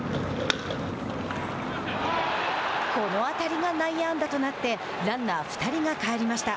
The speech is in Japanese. この当たりが内野安打となってランナー２人が帰りました。